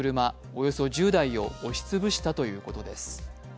およそ１０台を押し潰したということです。